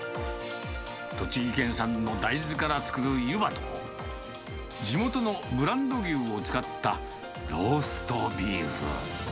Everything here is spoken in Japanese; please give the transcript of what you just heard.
栃木県産の大豆から作るゆばと、地元のブランド牛を使ったローストビーフ。